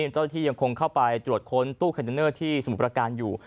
เจ้าหน้าที่ยังคงเข้าไปตรวจค้นตู้คอนเทนเนอร์ที่สมุทรประการอยู่